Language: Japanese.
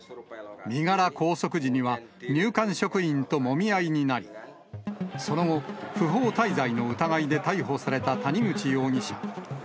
身柄拘束時には、入管職員ともみ合いになり、その後、不法滞在の疑いで逮捕された谷口容疑者。